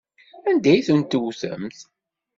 Anda ay tent-tewtemt?